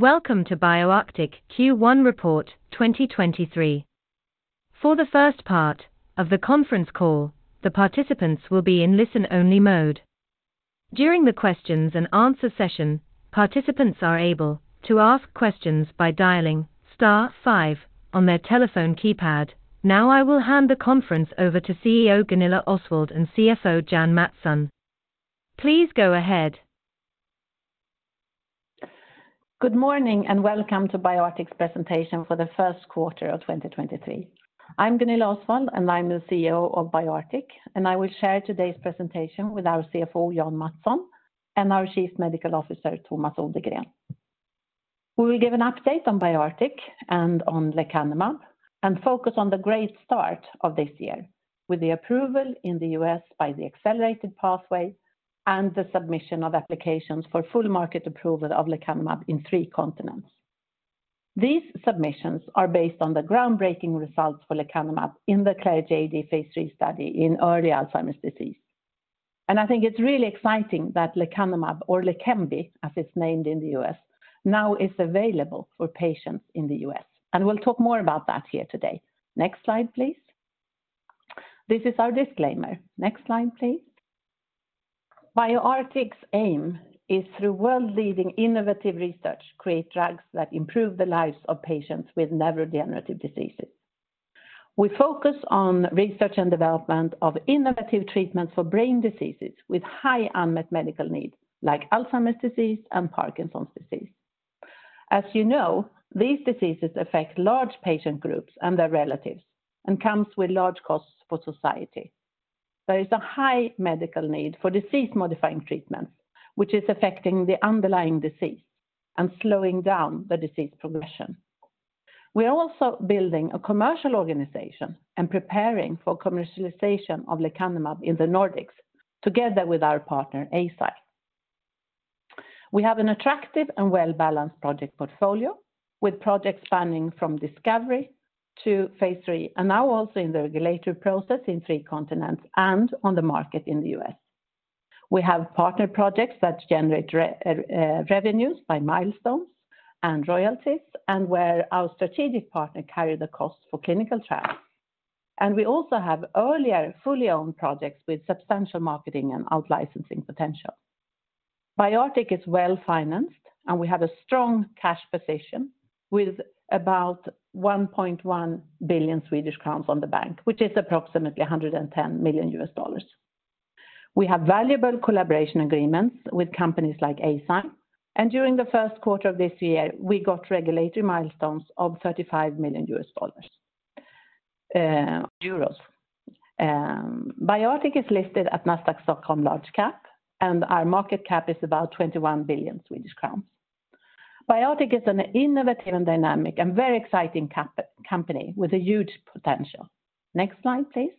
Welcome to BioArctic Q1 report 2023. For the first part of the conference call, the participants will be in listen-only mode. During the questions and answer session, participants are able to ask questions by dialing star five on their telephone keypad. I will hand the conference over to CEO Gunilla Osswald and CFO Jan Mattsson. Please go ahead. Good morning and welcome to BioArctic presentation for the 1st quarter of 2023. I'm Gunilla Osswald, and I'm the CEO of BioArctic, and I will share today's presentation with our CFO, Jan Mattsson, and our Chief Medical Officer, Tomas Odergren. We will give an update on BioArctic and on lecanemab and focus on the great start of this year with the approval in the US by the accelerated pathway and the submission of applications for full market approval of lecanemab in 3 continents. These submissions are based on the groundbreaking results for lecanemab in the Clarity AD phase 3 study in early Alzheimer's disease. I think it's really exciting that lecanemab or Leqembi, as it's named in the US, now is available for patients in the US. We'll talk more about that here today. Next slide, please. This is our disclaimer. Next slide, please. BioArctic aim is through world-leading innovative research, create drugs that improve the lives of patients with neurodegenerative diseases. We focus on research and development of innovative treatments for brain diseases with high unmet medical needs like Alzheimer's disease and Parkinson's disease. As you know, these diseases affect large patient groups and their relatives and comes with large costs for society. There is a high medical need for disease-modifying treatments which is affecting the underlying disease and slowing down the disease progression. We are also building a commercial organization and preparing for commercialization of lecanemab in the Nordics together with our partner, Eisai. We have an attractive and well-balanced project portfolio with projects spanning from discovery to phase 3, and now also in the regulatory process in three continents and on the market in the US. We have partner projects that generate revenues by milestones and royalties, where our strategic partner carry the cost for clinical trials. We also have earlier fully owned projects with substantial marketing and out-licensing potential. BioArctic is well-financed, we have a strong cash position with about 1.1 billion Swedish crowns on the bank, which is approximately $110 million. We have valuable collaboration agreements with companies like Eisai. During the first quarter of this year, we got regulatory milestones of EUR 35 million. BioArctic is listed at Nasdaq Stockholm Large Cap, our market cap is about 21 billion Swedish crown. BioArctic is an innovative and dynamic and very exciting company with a huge potential. Next slide, please.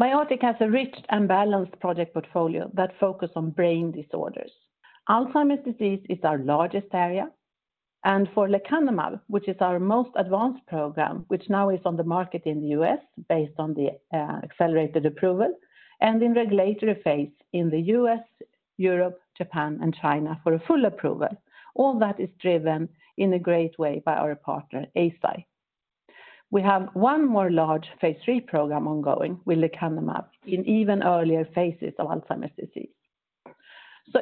BioArctic has a rich and balanced project portfolio that focus on brain disorders. Alzheimer's disease is our largest area. For lecanemab, which is our most advanced program, which now is on the market in the U.S. based on the Accelerated Approval, and in regulatory phase in the U.S., Europe, Japan, and China for a full approval. That is driven in a great way by our partner, Eisai. We have 1 more large phase 3 program ongoing with lecanemab in even earlier phases of Alzheimer's disease.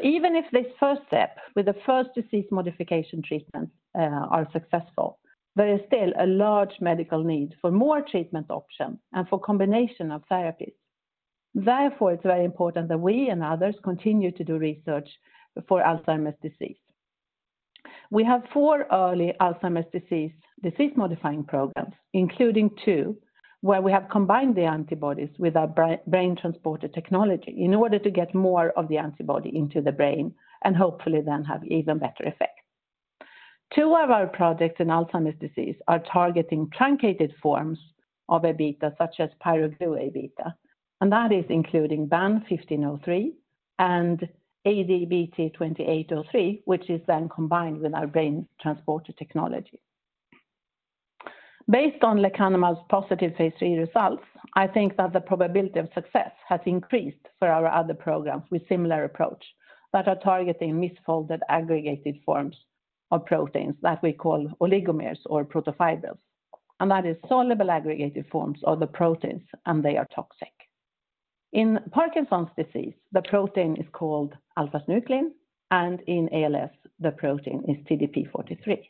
Even if this first step with the first disease modification treatment are successful, there is still a large medical need for more treatment option and for combination of therapies. It's very important that we and others continue to do research for Alzheimer's disease. We have four early Alzheimer's disease modifying programs, including two, where we have combined the antibodies with our brain transporter technology in order to get more of the antibody into the brain and hopefully then have even better effect. Two of our projects in Alzheimer's disease are targeting truncated forms of Aβ such as pyroglutamate Aβ, and that is including BAN1503 and AD-BT2803, which is then combined with our brain transporter technology. Based on lecanemab's positive phase 3 results, I think that the probability of success has increased for our other programs with similar approach that are targeting misfolded aggregated forms of proteins that we call oligomers or protofibrils. That is soluble aggregated forms of the proteins, and they are toxic. In Parkinson's disease, the protein is called alpha-synuclein, and in ALS, the protein is TDP-43.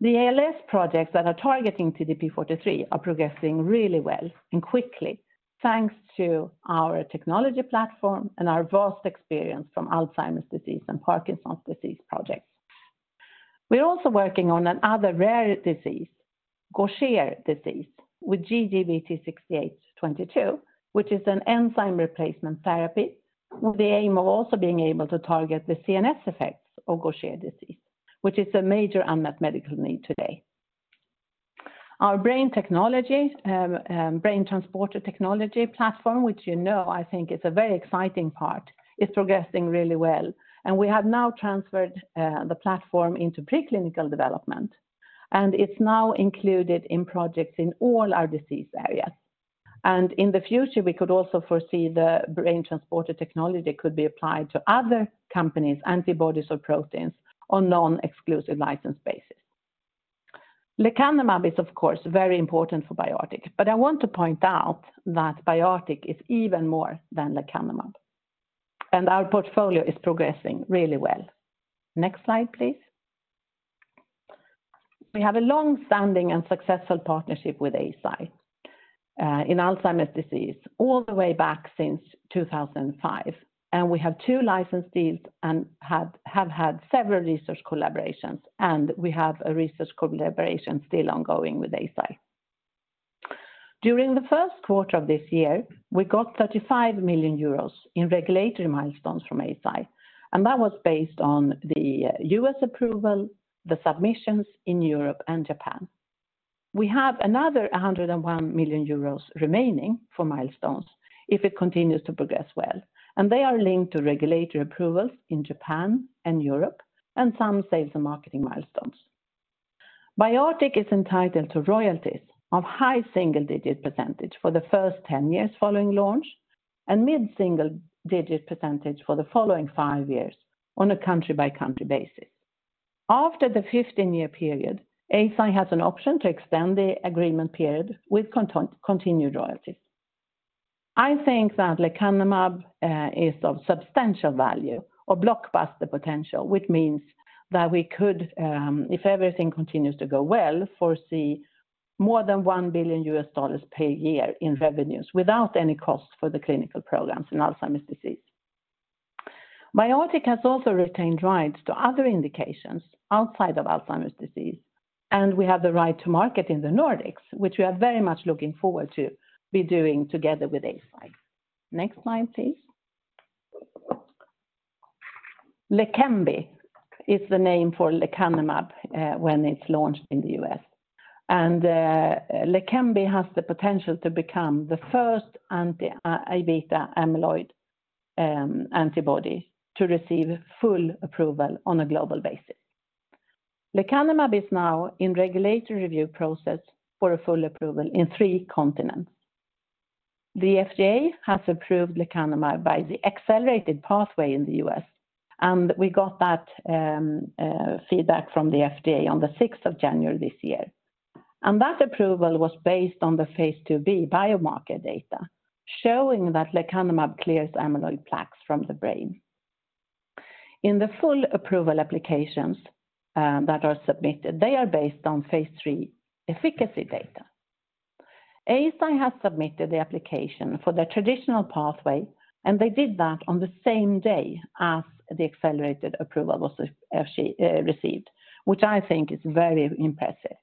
The ALS projects that are targeting TDP-43 are progressing really well and quickly, thanks to our technology platform and our vast experience from Alzheimer's disease and Parkinson's disease projects. We're also working on another rare disease, Gaucher disease with GD-BT6822, which is an enzyme replacement therapy with the aim of also being able to target the CNS effects of Gaucher disease, which is a major unmet medical need today. Our Brain Transporter technology platform, which you know, I think is a very exciting part, is progressing really well. We have now transferred the platform into preclinical development. It's now included in projects in all our disease areas. In the future, we could also foresee the Brain Transporter technology could be applied to other companies, antibodies or proteins on non-exclusive license basis. Lecanemab is of course very important for BioArctic, but I want to point out that BioArctic is even more than lecanemab, and our portfolio is progressing really well. Next slide, please. We have a long-standing and successful partnership with Eisai in Alzheimer's disease all the way back since 2005, and we have two license deals and have had several research collaborations, and we have a research collaboration still ongoing with Eisai. During the first quarter of this year, we got 35 million euros in regulatory milestones from Eisai, and that was based on the U.S. approval, the submissions in Europe and Japan. We have another 101 million euros remaining for milestones if it continues to progress well, and they are linked to regulatory approvals in Japan and Europe and some sales and marketing milestones. BioArctic is entitled to royalties of high single-digit % for the first 10 years following launch and mid-single digit % for the following 5 years on a country-by-country basis. After the 15-year period, Eisai has an option to extend the agreement period with continued royalties. I think that lecanemab is of substantial value or blockbuster potential, which means that we could, if everything continues to go well, foresee more than $1 billion per year in revenues without any cost for the clinical programs in Alzheimer's disease. BioArctic has also retained rights to other indications outside of Alzheimer's disease. We have the right to market in the Nordics, which we are very much looking forward to be doing together with Eisai. Next slide, please. Leqembi is the name for lecanemab when it's launched in the U.S. Leqembi has the potential to become the first anti-Aβ amyloid antibody to receive full approval on a global basis. Lecanemab is now in regulatory review process for a full approval in 3 continents. The FDA has approved lecanemab by the accelerated pathway in the U.S., we got that feedback from the FDA on the 6th of January this year. That approval was based on the phase 2B biomarker data showing that lecanemab clears amyloid plaques from the brain. In the full approval applications that are submitted, they are based on phase 3 efficacy data. Eisai has submitted the application for the traditional pathway, they did that on the same day as the Accelerated Approval was received, which I think is very impressive.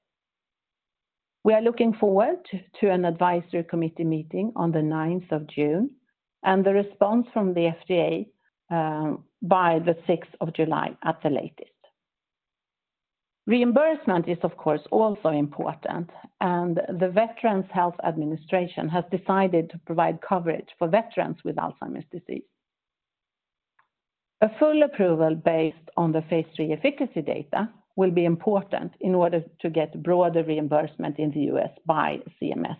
We are looking forward to an advisory committee meeting on the 9th of June and the response from the FDA by the 6th of July at the latest. Reimbursement is of course also important, and the Veterans Health Administration has decided to provide coverage for veterans with Alzheimer's disease. A full approval based on the phase 3 efficacy data will be important in order to get broader reimbursement in the U.S. by CMS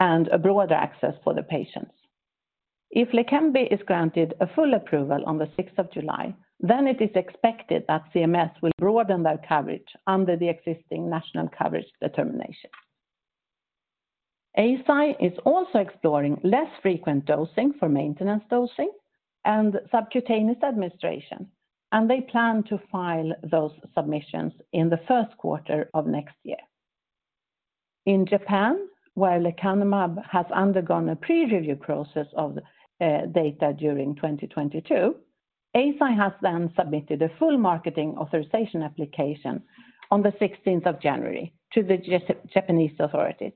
and a broader access for the patients. If Leqembi is granted a full approval on the 6th of July, then it is expected that CMS will broaden their coverage under the existing national coverage determination. Eisai is also exploring less frequent dosing for maintenance dosing and subcutaneous administration, and they plan to file those submissions in the 1st quarter of next year. In Japan, where lecanemab has undergone a pre-review process of data during 2022, Eisai has then submitted a full marketing authorization application on January 16 to the Japanese authorities.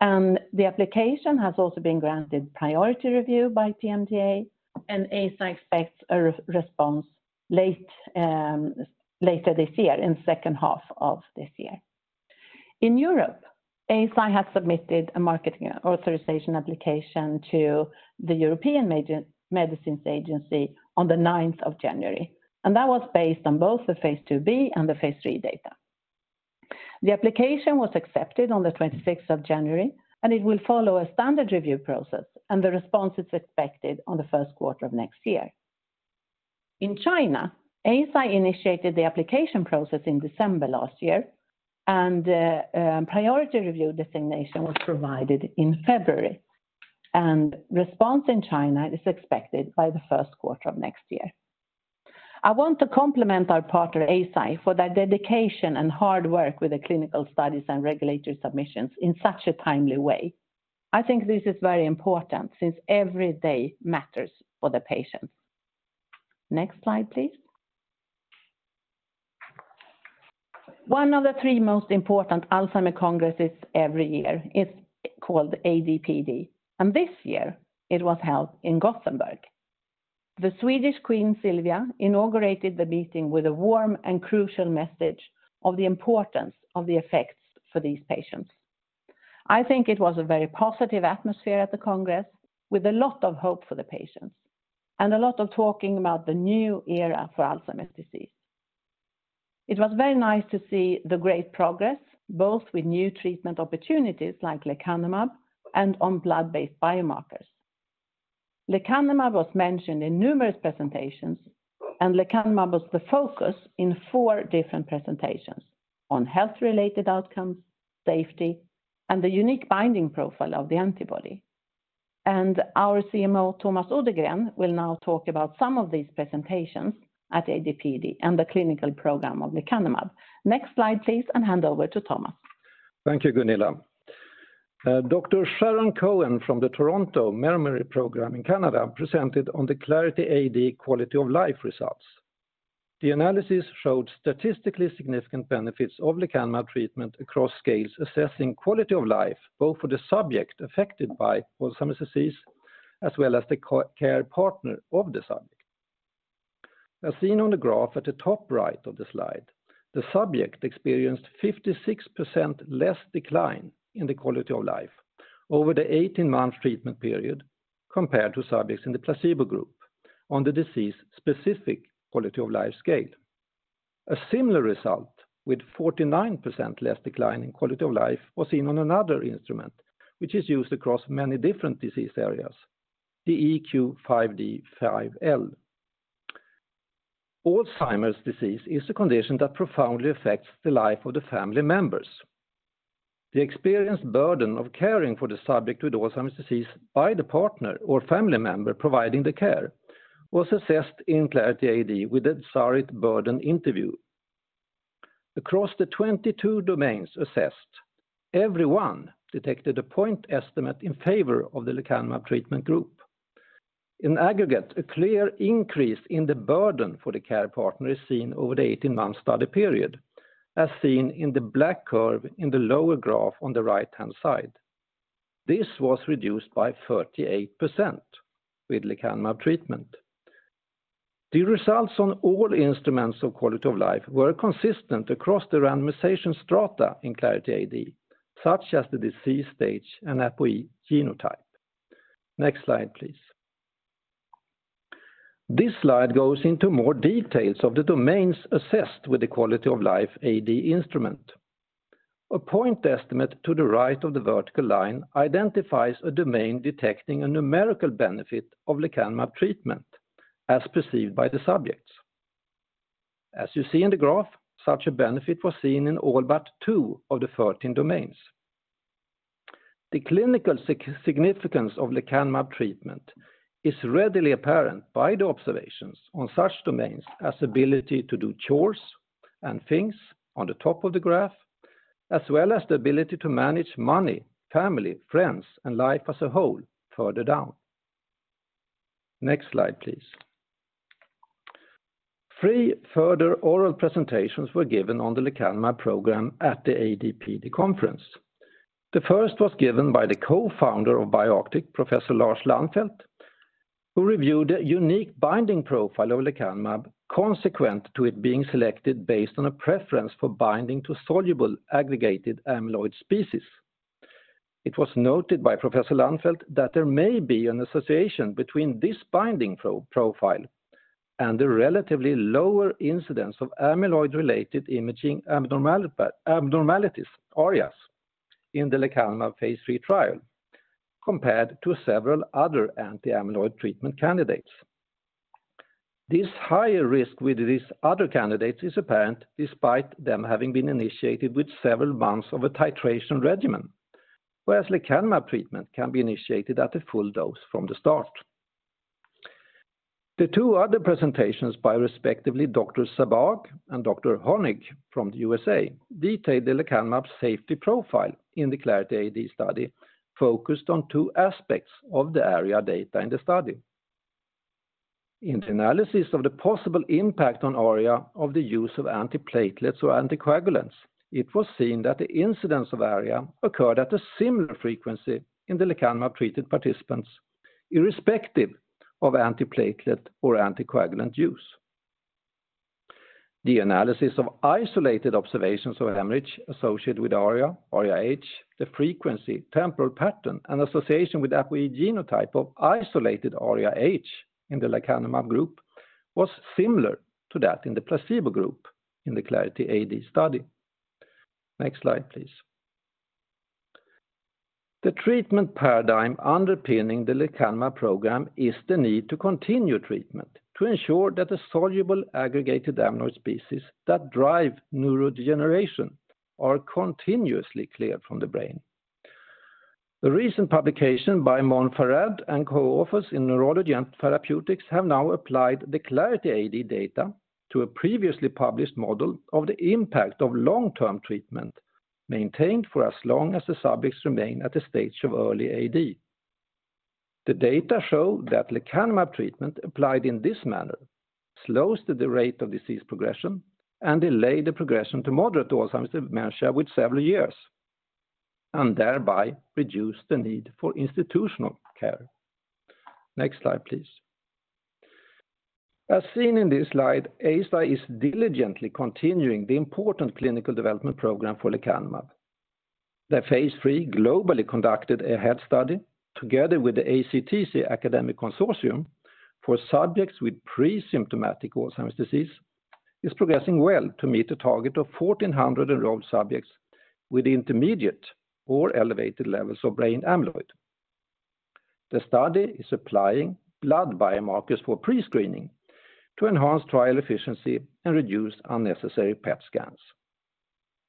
The application has also been granted priority review by PMDA, and Eisai expects a re-response late later this year, in second half of this year. In Europe, Eisai has submitted a marketing authorization application to the European Medicines Agency on January 9, and that was based on both the phase 2B and the phase 3 data. The application was accepted on January 26, and it will follow a standard review process, and the response is expected on the first quarter of next year. In China, Eisai initiated the application process in December last year, and priority review designation was provided in February. Response in China is expected by the first quarter of next year. I want to compliment our partner, Eisai, for their dedication and hard work with the clinical studies and regulatory submissions in such a timely way. I think this is very important since every day matters for the patients. Next slide, please. One of the 3 most important Alzheimer's congresses every year is called ADPD, and this year it was held in Gothenburg. The Swedish Queen Silvia inaugurated the meeting with a warm and crucial message of the importance of the effects for these patients. I think it was a very positive atmosphere at the congress with a lot of hope for the patients and a lot of talking about the new era for Alzheimer's disease. It was very nice to see the great progress, both with new treatment opportunities like lecanemab and on blood-based biomarkers. Lecanemab was mentioned in numerous presentations, and lecanemab was the focus in four different presentations on health-related outcomes, safety, and the unique binding profile of the antibody. Our CMO, Tomas Odergren, will now talk about some of these presentations at ADPD and the clinical program of lecanemab. Next slide, please, and hand over to Tomas. Thank you, Gunilla. Dr. Sharon Cohen from the Toronto Memory Program in Canada presented on the Clarity AD quality of life results. The analysis showed statistically significant benefits of lecanemab treatment across scales assessing quality of life, both for the subject affected by Alzheimer's disease as well as the care partner of the subject. As seen on the graph at the top right of the slide, the subject experienced 56% less decline in the quality of life over the 18-month treatment period compared to subjects in the placebo group on the disease-specific quality of life scale. A similar result with 49% less decline in quality of life was seen on another instrument, which is used across many different disease areas, the EQ-5D-5L. Alzheimer's disease is a condition that profoundly affects the life of the family members. The experienced burden of caring for the subject with Alzheimer's disease by the partner or family member providing the care was assessed in Clarity AD with the Zarit Burden Interview. Across the 22 domains assessed, every one detected a point estimate in favor of the lecanemab treatment group. In aggregate, a clear increase in the burden for the care partner is seen over the 18-month study period, as seen in the black curve in the lower graph on the right-hand side. This was reduced by 38% with lecanemab treatment. The results on all instruments of quality of life were consistent across the randomization strata in Clarity AD, such as the disease stage and APOE genotype. Next slide, please. This slide goes into more details of the domains assessed with the QoL-AD instrument. A point estimate to the right of the vertical line identifies a domain detecting a numerical benefit of lecanemab treatment as perceived by the subjects. As you see in the graph, such a benefit was seen in all but two of the 13 domains. The clinical significance of lecanemab treatment is readily apparent by the observations on such domains as ability to do chores and things on the top of the graph, as well as the ability to manage money, family, friends, and life as a whole further down. Next slide, please. Three further oral presentations were given on the lecanemab program at the ADPD conference. The first was given by the co-founder of BioArctic, Professor Lars Lannfelt, who reviewed a unique binding profile of lecanemab consequent to it being selected based on a preference for binding to soluble aggregated amyloid species. It was noted by Professor Lannfelt that there may be an association between this binding pro-profile and the relatively lower incidence of amyloid-related imaging abnormalities, ARIAs, in the lecanemab phase 3 trial compared to several other anti-amyloid treatment candidates. This higher risk with these other candidates is apparent despite them having been initiated with several months of a titration regimen, whereas lecanemab treatment can be initiated at a full dose from the start. The two other presentations by respectively Dr. Sabbagh and Dr. Honig from the USA detailed the lecanemab safety profile in the Clarity AD study focused on two aspects of the ARIA data in the study. In the analysis of the possible impact on ARIA of the use of antiplatelets or anticoagulants, it was seen that the incidence of ARIA occurred at a similar frequency in the lecanemab-treated participants, irrespective of antiplatelet or anticoagulant use. The analysis of isolated observations of hemorrhage associated with ARIA-H, the frequency, temporal pattern, and association with APOE genotype of isolated ARIA-H in the lecanemab group was similar to that in the placebo group in the Clarity AD study. Next slide, please. The treatment paradigm underpinning the lecanemab program is the need to continue treatment to ensure that the soluble aggregated amyloid species that drive neurodegeneration are continuously cleared from the brain. The recent publication by Monfared and co-authors in Neurology and Therapy have now applied the Clarity AD data to a previously published model of the impact of long-term treatment maintained for as long as the subjects remain at the stage of early AD. The data show that lecanemab treatment applied in this manner slows the rate of disease progression and delay the progression to moderate Alzheimer's dementia with several years, thereby reduce the need for institutional care. Next slide, please. Seen in this slide, Eisai is diligently continuing the important clinical development program for lecanemab. The phase 3 globally conducted AHEAD study together with the ACTC academic consortium for subjects with pre-symptomatic Alzheimer's disease is progressing well to meet the target of 1,400 enrolled subjects with intermediate or elevated levels of brain amyloid. The study is applying blood biomarkers for pre-screening to enhance trial efficiency and reduce unnecessary PET scans.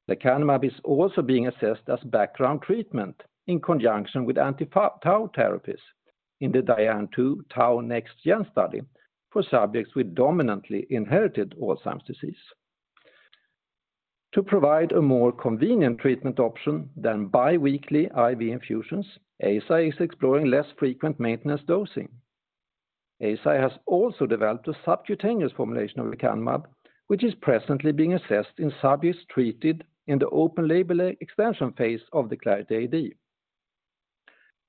Lecanemab is also being assessed as background treatment in conjunction with anti-tau therapies in the DIAN-TU Tau NexGen study for subjects with dominantly inherited Alzheimer's disease. To provide a more convenient treatment option than biweekly IV infusions, Eisai is exploring less frequent maintenance dosing. Eisai has also developed a subcutaneous formulation of lecanemab, which is presently being assessed in subjects treated in the open label extension phase of the Clarity AD.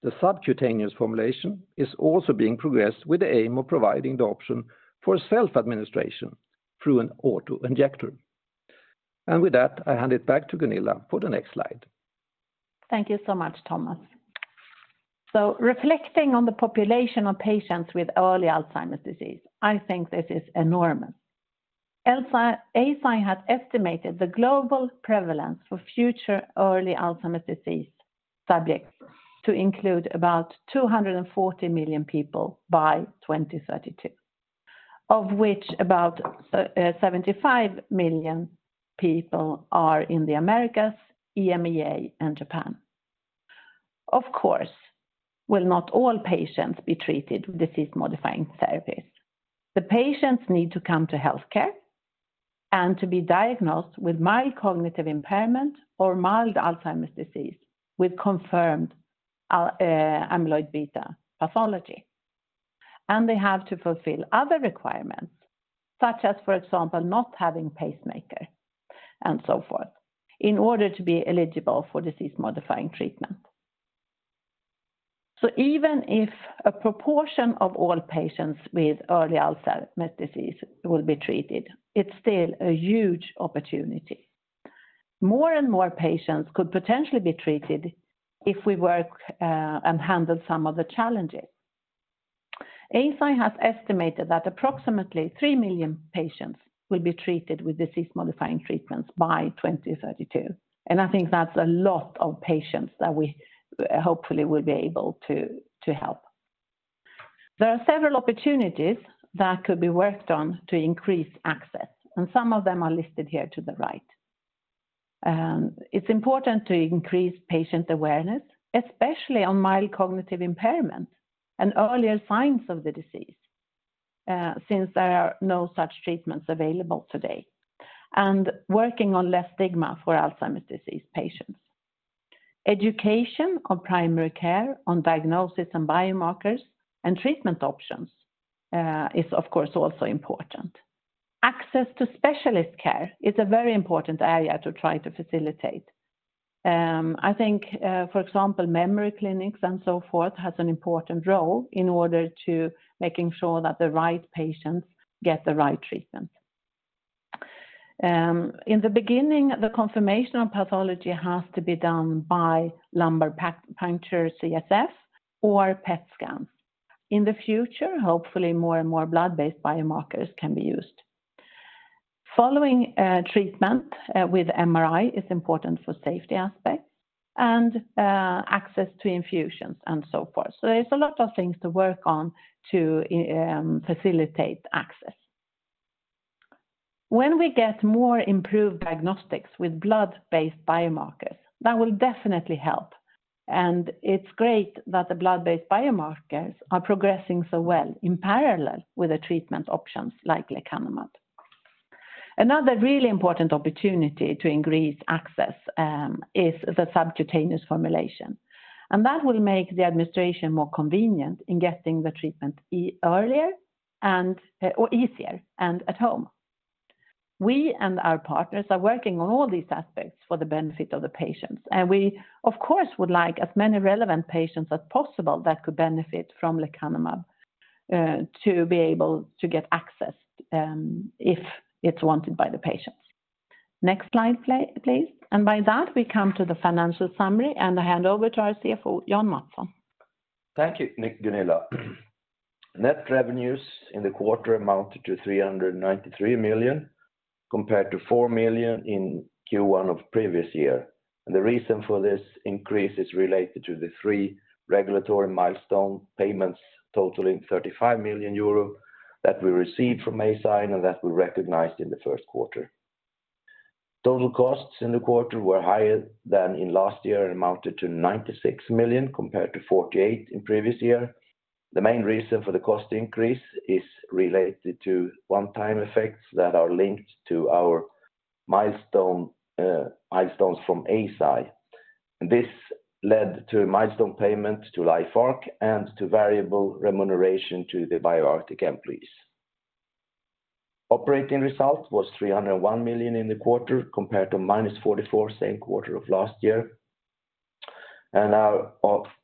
The subcutaneous formulation is also being progressed with the aim of providing the option for self-administration through an auto-injector. With that, I hand it back to Gunilla for the next slide. Thank you so much, Tomas. Reflecting on the population of patients with early Alzheimer's disease, I think this is enormous. Eisai has estimated the global prevalence for future early Alzheimer's disease subjects to include about 240 million people by 2032, of which about 75 million people are in the Americas, EMEA, and Japan. Of course, will not all patients be treated with disease-modifying therapies. The patients need to come to healthcare and to be diagnosed with mild cognitive impairment or mild Alzheimer's disease with confirmed amyloid beta pathology. They have to fulfill other requirements, such as, for example, not having pacemaker and so forth, in order to be eligible for disease-modifying treatment. Even if a proportion of all patients with early Alzheimer's disease will be treated, it's still a huge opportunity. More and more patients could potentially be treated if we work and handle some of the challenges. Eisai has estimated that approximately 3 million patients will be treated with disease-modifying treatments by 2032. I think that's a lot of patients that we hopefully will be able to help. There are several opportunities that could be worked on to increase access. Some of them are listed here to the right. It's important to increase patient awareness, especially on mild cognitive impairment and earlier signs of the disease, since there are no such treatments available today, and working on less stigma for Alzheimer's disease patients. Education of primary care on diagnosis and biomarkers and treatment options is of course also important. Access to specialist care is a very important area to try to facilitate. I think, for example, memory clinics and so forth has an important role in order to making sure that the right patients get the right treatment. In the beginning, the confirmation of pathology has to be done by lumbar puncture CSF or PET scans. In the future, hopefully, more and more blood-based biomarkers can be used. Following treatment with MRI is important for safety aspects and access to infusions and so forth. There's a lot of things to work on to facilitate access. When we get more improved diagnostics with blood-based biomarkers, that will definitely help. It's great that the blood-based biomarkers are progressing so well in parallel with the treatment options like lecanemab. Another really important opportunity to increase access is the subcutaneous formulation, and that will make the administration more convenient in getting the treatment earlier and, or easier and at home. We and our partners are working on all these aspects for the benefit of the patients, and we of course would like as many relevant patients as possible that could benefit from lecanemab to be able to get access if it's wanted by the patients. Next slide, please. By that, we come to the financial summary, and I hand over to our CFO, Jan Mattsson. Thank you, Gunilla. Net revenues in the quarter amounted to 393 million compared to 4 million in Q1 of previous year. The reason for this increase is related to the 3 regulatory milestone payments totaling 35 million euro that we received from Eisai and that we recognized in the first quarter. Total costs in the quarter were higher than in last year and amounted to 96 million compared to 48 million in previous year. The main reason for the cost increase is related to one-time effects that are linked to our milestone, milestones from Eisai. This led to a milestone payment to LifeArc and to variable remuneration to the BioArctic employees. Operating results was 301 million in the quarter compared to -44 same quarter of last year. Our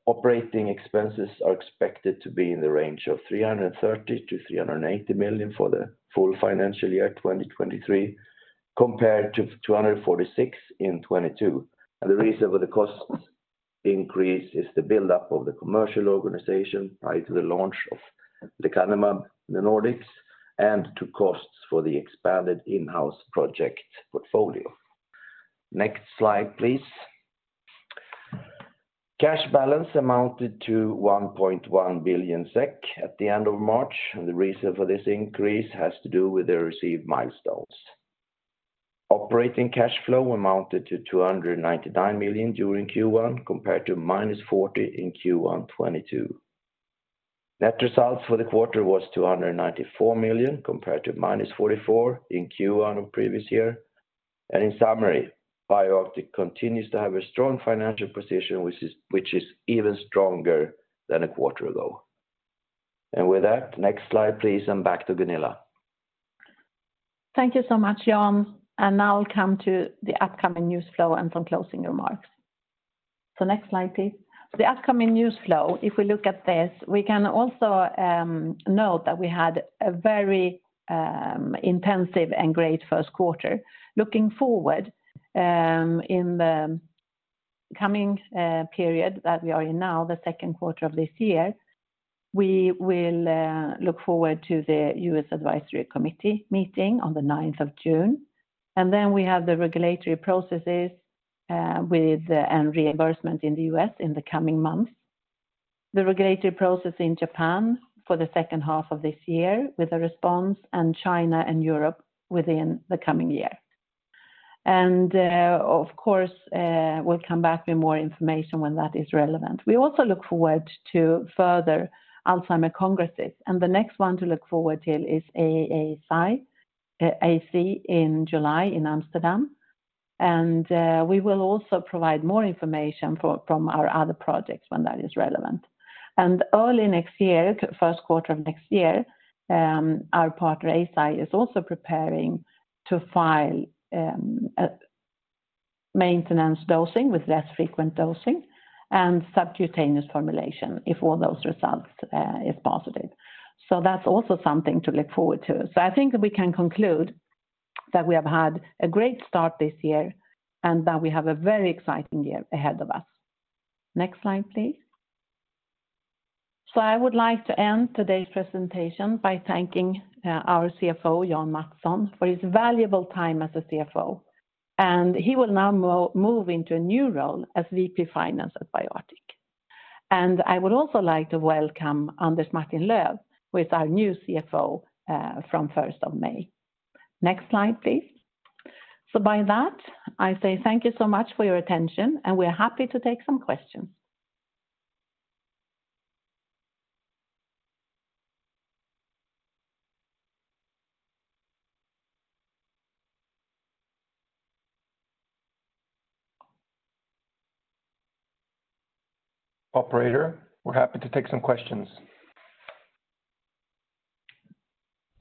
operating expenses are expected to be in the range of 330-380 million for the full financial year 2023, compared to 246 in 2022. The reason for the cost increase is the build up of the commercial organization prior to the launch of lecanemab in the Nordics, and to costs for the expanded in-house project portfolio. Next slide, please. Cash balance amounted to 1.1 billion SEK at the end of March, and the reason for this increase has to do with the received milestones. Operating cash flow amounted to 299 million during Q1, compared to -40 in Q1 2022. Net results for the quarter was 294 million, compared to -44 million in Q1 of previous year. In summary, BioArctic continues to have a strong financial position, which is even stronger than a quarter ago. With that, next slide, please, and back to Gunilla. Thank you so much, Jan. Now we come to the upcoming news flow and some closing remarks. Next slide, please. The upcoming news flow, if we look at this, we can also note that we had a very intensive and great first quarter. Looking forward, in the coming period that we are in now, the second quarter of this year, we will look forward to the US Advisory Committee meeting on the ninth of June. Then we have the regulatory processes with and reimbursement in the US in the coming months. The regulatory process in Japan for the second half of this year with a response, China and Europe within the coming year. Of course, we'll come back with more information when that is relevant. We also look forward to further Alzheimer congresses, and the next one to look forward to is AAIC in July in Amsterdam. We will also provide more information from our other projects when that is relevant. Early next year, first quarter of next year, our partner, Eisai, is also preparing to file a maintenance dosing with less frequent dosing and subcutaneous formulation if all those results is positive. That's also something to look forward to. I think we can conclude that we have had a great start this year and that we have a very exciting year ahead of us. Next slide, please. I would like to end today's presentation by thanking our CFO, Jan Mattsson, for his valuable time as a CFO. He will now move into a new role as VP Finance at BioArctic. I would also like to welcome Anders Martin-Löf, who is our new CFO, from 1st of May. Next slide, please. By that, I say thank you so much for your attention, and we're happy to take some questions. Operator, we're happy to take some questions.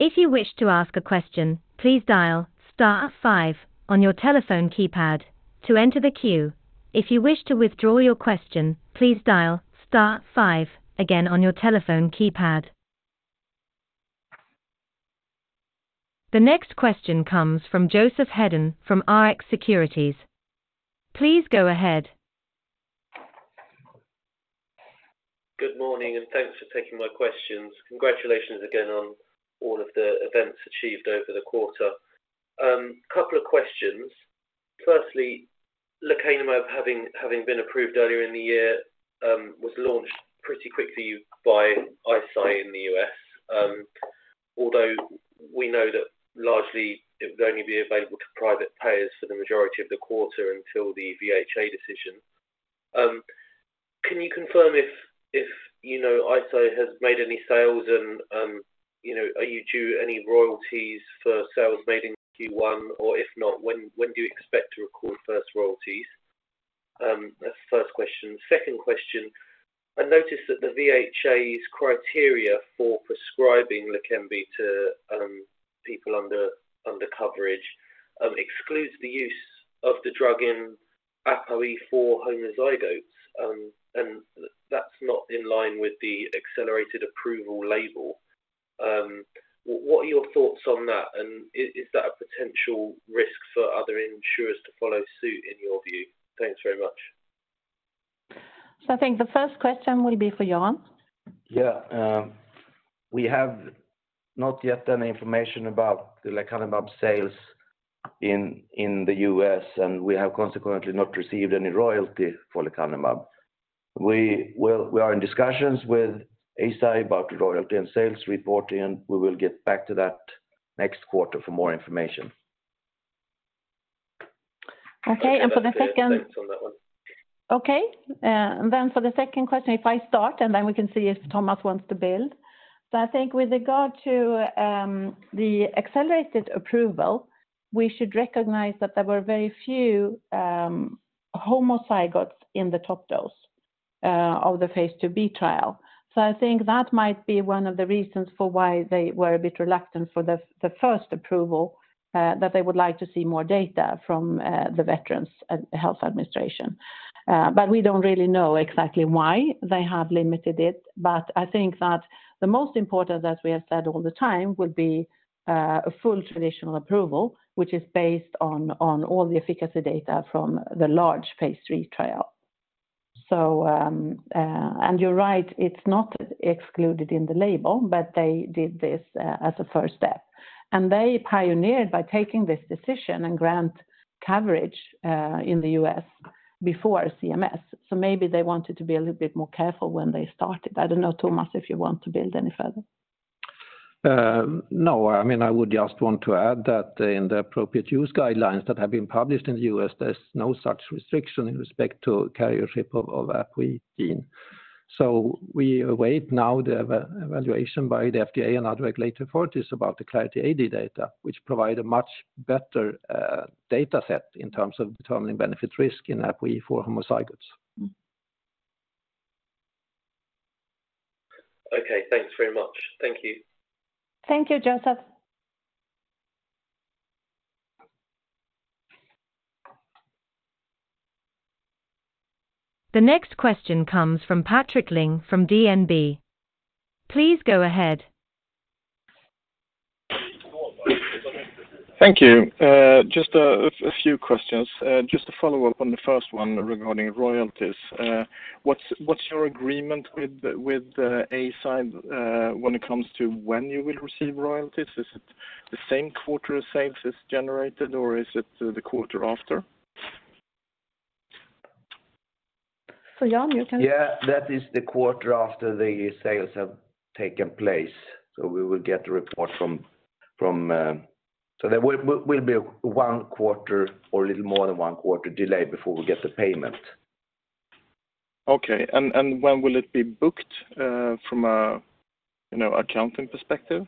If you wish to ask a question, please dial star five on your telephone keypad to enter the queue. If you wish to withdraw your question, please dial star five again on your telephone keypad. The next question comes from Joseph Hedden from Rx Securities. Please go ahead. Good morning. Thanks for taking my questions. Congratulations again on all of the events achieved over the quarter. A couple of questions. Firstly, Lecanemab, having been approved earlier in the year, was launched pretty quickly by Eisai in the U.S. Although we know that largely it would only be available to private payers for the majority of the quarter until the VHA decision. Can you confirm if, you know, Eisai has made any sales and, you know, are you due any royalties for sales made in Q1? If not, when do you expect to record first royalties? That's the first question. Second question, I noticed that the VHA's criteria for prescribing lecanemab to people under coverage excludes the use of the drug in APOE4 homozygotes. That's not in line with the Accelerated Approval label. What are your thoughts on that? Is that a potential risk for other insurers to follow suit, in your view? Thanks very much. I think the first question will be for Jan. We have not yet any information about the Lecanemab sales in the US. We have consequently not received any royalty for Lecanemab. We are in discussions with Eisai about royalty and sales reporting. We will get back to that next quarter for more information. Okay. Thanks on that one. For the second question, if I start, then we can see if Tomas wants to build. With regard to the Accelerated Approval, we should recognize that there were very few homozygotes in the top dose of the phase 2B trial. That might be one of the reasons for why they were a bit reluctant for the first approval, that they would like to see more data from the Veterans Health Administration. We don't really know exactly why they have limited it. The most important, as we have said all the time, would be a full traditional approval, which is based on all the efficacy data from the large phase 3 trial. And you're right, it's not excluded in the label, but they did this as a first step. They pioneered by taking this decision and grant coverage in the U.S. before CMS. Maybe they wanted to be a little bit more careful when they started. I don't know, Thomas, if you want to build any further. No. I mean, I would just want to add that in the appropriate use guidelines that have been published in the U.S., there's no such restriction in respect to carrier shape of APOE. We await now the e-evaluation by the FDA and other regulatory authorities about the Clarity AD data, which provide a much better data set in terms of determining benefit risk in APOE for homozygotes. Mm-hmm. Okay, thanks very much. Thank you. Thank you, Joseph. The next question comes from Patrik Ling from DNB. Please go ahead. Thank you. Just a few questions. Just to follow up on the first one regarding royalties. What's your agreement with Eisai when it comes to when you will receive royalties? Is it the same quarter as sales is generated, or is it the quarter after? Jan, you. That is the quarter after the sales have taken place. We will get a report from, There will be one quarter or a little more than one quarter delay before we get the payment. Okay. When will it be booked, you know, from a accounting perspective?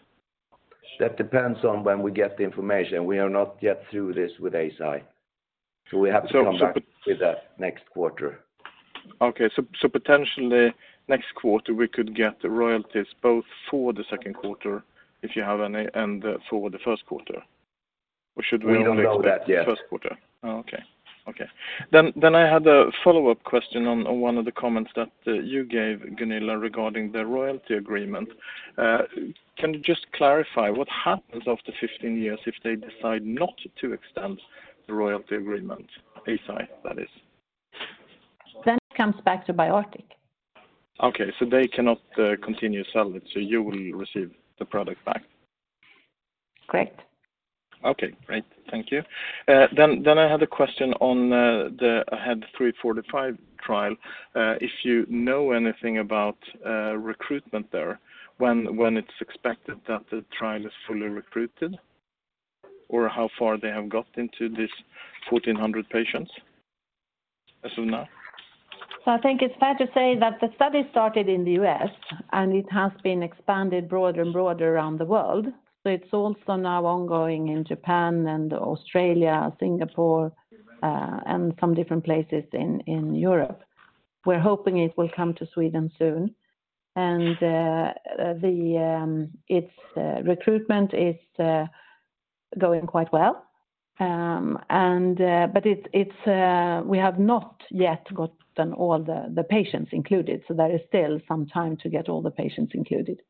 That depends on when we get the information. We are not yet through this with Eisai. We have to come back. So, so- with that next quarter. Okay. Potentially next quarter, we could get the royalties both for the second quarter, if you have any, and for the first quarter? Should we only expect? We don't know that yet.... first quarter? Oh, okay. Okay. I had a follow-up question on one of the comments that you gave, Gunilla, regarding the royalty agreement. Can you just clarify what happens after 15 years if they decide not to extend the royalty agreement? Eisai, that is. It comes back to BioArctic. Okay. They cannot, continue to sell it, so you will receive the product back? Correct. Okay, great. Thank you. I had a question on the AHEAD 3-45 trial. If you know anything about recruitment there, when it's expected that the trial is fully recruited, or how far they have got into this 1,400 patients as of now? I think it's fair to say that the study started in the U.S. and it has been expanded broader and broader around the world. It's also now ongoing in Japan and Australia, Singapore, and some different places in Europe. We're hoping it will come to Sweden soon. The recruitment is going quite well. It's we have not yet gotten all the patients included, so there is still some time to get all the patients included.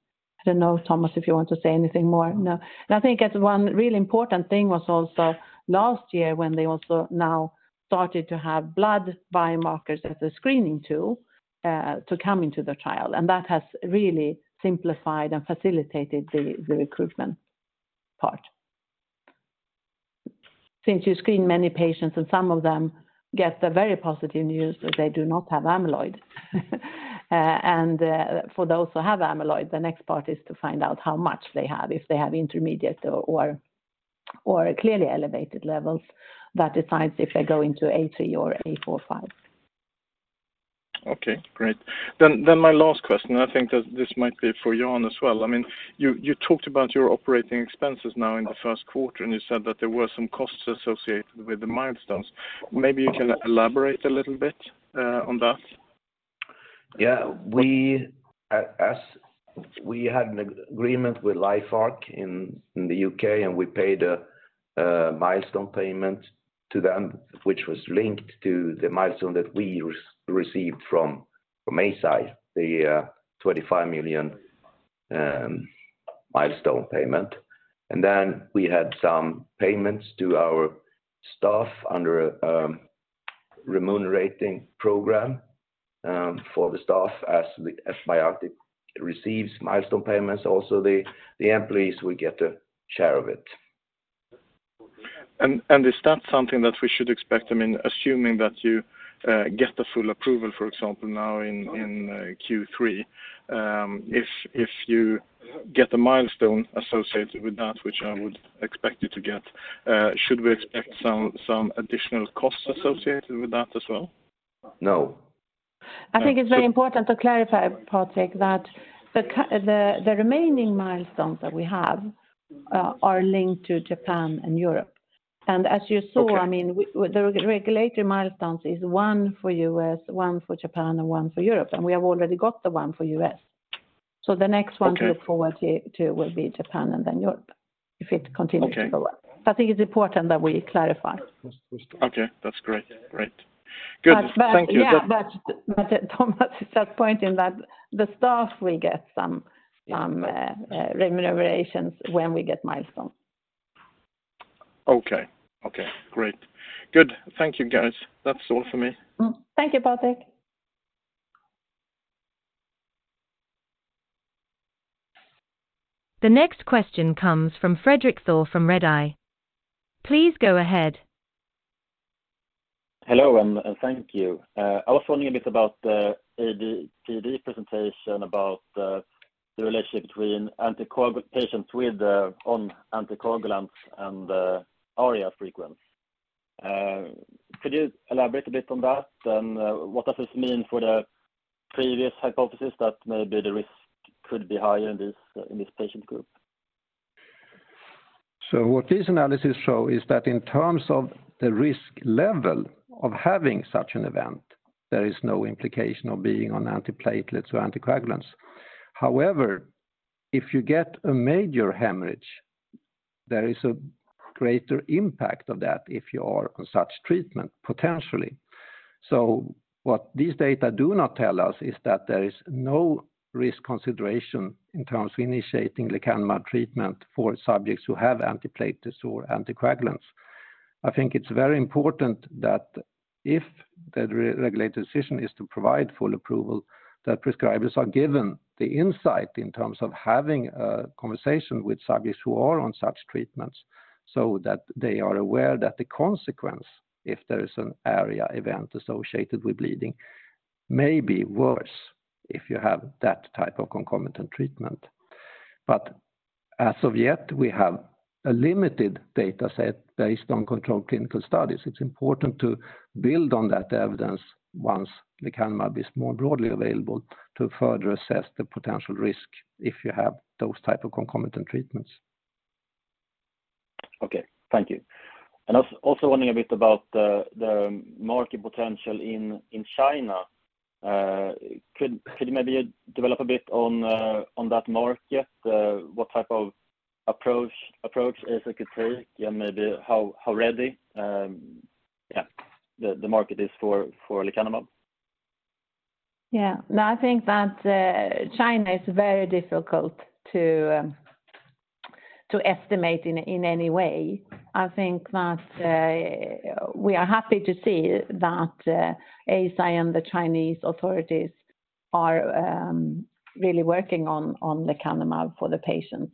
I don't know, Tomas, if you want to say anything more? No. I think one real important thing was also last year when they also now started to have blood biomarkers as a screening tool to come into the trial. That has really simplified and facilitated the recruitment part. Since you screen many patients and some of them get the very positive news that they do not have amyloid. For those who have amyloid, the next part is to find out how much they have. If they have intermediate or clearly elevated levels, that decides if they go into A3 or A45. Okay, great. My last question, I think that this might be for Jan as well. I mean, you talked about your operating expenses now in the first quarter, you said that there were some costs associated with the milestones. Maybe you can elaborate a little bit on that. Yeah. We had an agreement with LifeArc in the UK, we paid a milestone payment to them, which was linked to the milestone that we received from Eisai, the 25 million milestone payment. We had some payments to our staff under a remunerating program for the staff. As BioArctic receives milestone payments, also the employees will get a share of it. Is that something that we should expect, I mean, assuming that you get the full approval, for example, now in Q3. If you get the milestone associated with that, which I would expect you to get, should we expect additional costs associated with that as well? No. I think it's very important to clarify, Patrik, that the remaining milestones that we have are linked to Japan and Europe. As you saw, I mean, the regulatory milestones is one for the U.S., one for Japan, and one for Europe, and we have already got the one for the U.S. The next one to look forward to will be Japan and then Europe, if it continues to go well. Okay. I think it's important that we clarify. Okay. That's great. Great. Good. Thank you. Tomas is just pointing that the staff will get some remunerations when we get milestones. Okay. Okay, great. Good. Thank you, guys. That's all for me. Thank you, Patrik. The next question comes from Fredrik Thor from Redeye. Please go ahead. Hello, and thank you. I was wondering a bit about the ADPD presentation about the relationship between anticoagulation on anticoagulants and ARIA frequency. Could you elaborate a bit on that and what does this mean for the previous hypothesis that maybe the risk could be higher in this patient group? What these analysis show is that in terms of the risk level of having such an event, there is no implication of being on antiplatelets or anticoagulants. However, if you get a major hemorrhage, there is a greater impact of that if you are on such treatment, potentially. What these data do not tell us is that there is no risk consideration in terms of initiating lecanemab treatment for subjects who have antiplatelets or anticoagulants. I think it's very important that if the re-regulatory decision is to provide full approval, that prescribers are given the insight in terms of having a conversation with subjects who are on such treatments so that they are aware that the consequence, if there is an ARIA event associated with bleeding, may be worse if you have that type of concomitant treatment. As of yet, we have a limited data set based on controlled clinical studies. It's important to build on that evidence once lecanemab is more broadly available to further assess the potential risk if you have those type of concomitant treatments. Okay. Thank you. Also wondering a bit about the market potential in China. Could you maybe develop a bit on that market? What type of approach Eisai could take and maybe how ready, yeah, the market is for lecanemab? Yeah. No, I think that China is very difficult to estimate in any way. I think that we are happy to see that ASI and the Chinese authorities are really working on lecanemab for the patients.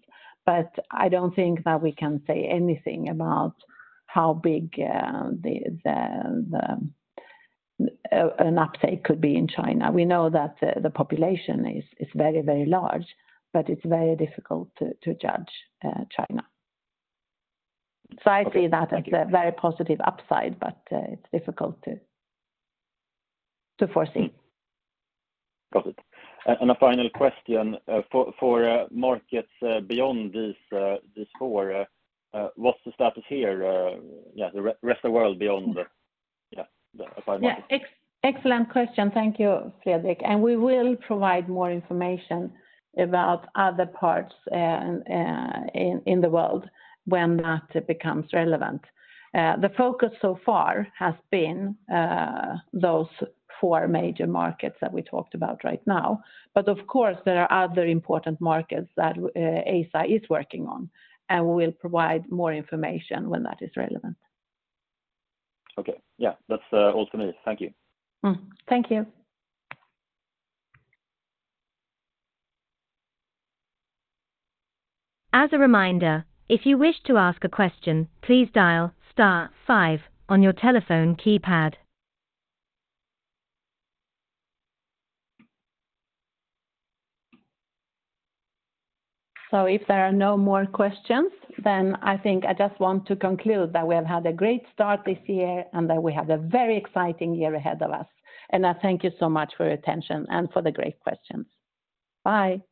I don't think that we can say anything about how big the an uptake could be in China. We know that the population is very, very large, but it's very difficult to judge China. Okay. Thank you. I see that as a very positive upside, but, it's difficult to foresee. Got it. A final question, for markets, beyond these four, what's the status here, the rest of world beyond the five markets? Yeah. Excellent question. Thank you, Fredrik. We will provide more information about other parts in the world when that becomes relevant. The focus so far has been those four major markets that we talked about right now. Of course, there are other important markets that Eisai is working on, and we'll provide more information when that is relevant. Okay. Yeah. That's all for me. Thank you. Thank you. As a reminder, if you wish to ask a question, please dial star five on your telephone keypad. If there are no more questions, then I think I just want to conclude that we have had a great start this year and that we have a very exciting year ahead of us. I thank you so much for your attention and for the great questions. Bye.